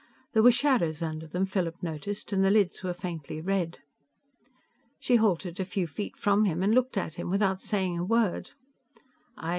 There were shadows under them, Philip noticed, and the lids were faintly red. She halted a few feet from him and looked at him without saying a word. "I ...